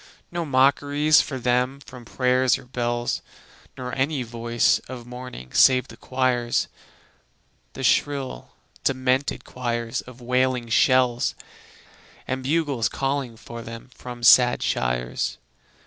No mockeries for them; no prayers nor bells, Nor any voice of mourning save the choirs, The shrill, demented choirs of wailing shells; And bugles calling for them from sad shires.